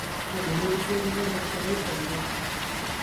Pero mira se o regalo che vai coa idade.